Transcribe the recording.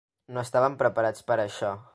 No estàvem preparats per a això.